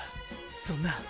そんな。